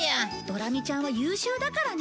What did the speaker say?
ドラミちゃんは優秀だからね